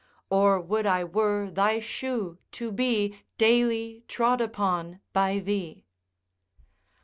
Or would I were thy shoe, to be Daily trod upon by thee.